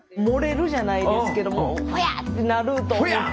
漏れるじゃないですけどふぇ